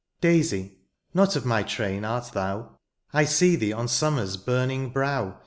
Daisy, not of my train art thou, I see thee on summer's burning brow.